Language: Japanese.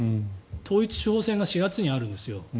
統一地方選挙が４月にあるんですよ。